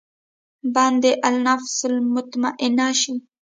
بنده دې النفس المطمئنه شي.